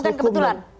itu bukan kebetulan